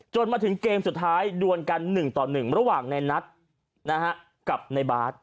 มาถึงเกมสุดท้ายดวนกัน๑ต่อ๑ระหว่างในนัทกับในบาร์ด